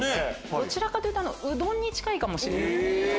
どちらかというとうどんに近いかもしれない。